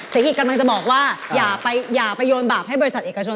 อีกกำลังจะบอกว่าอย่าไปโยนบาปให้บริษัทเอกชน